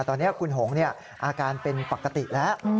ตอนนี้คุณหงอาการเป็นปกติแล้ว